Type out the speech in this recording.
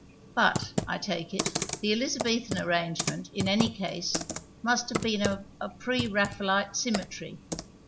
But, I take it, the Pjlizabcthan arrangement, in any case, must have been of a i)re Raphaelite symmetry.